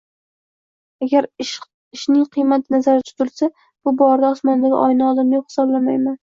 Agar ishning qiymati nazarda tutilsa, bu borada osmondagi oyni oldim, deb hisoblamayman